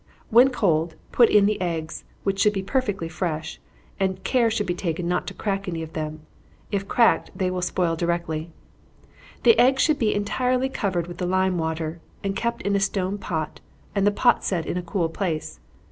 When cold, put in the eggs, which should be perfectly fresh, and care should be taken not to crack any of them if cracked, they will spoil directly. The eggs should be entirely covered with the lime water, and kept in a stone pot, and the pot set in a cool place.